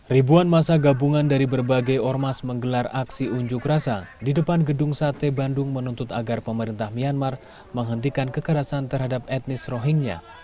ribuan masa gabungan dari berbagai ormas menggelar aksi unjuk rasa di depan gedung sate bandung menuntut agar pemerintah myanmar menghentikan kekerasan terhadap etnis rohingya